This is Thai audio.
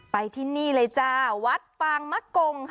ไปที่นี่เลยจ้าวัดปางมะกงค่ะ